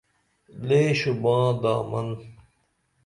لے شوباں دامن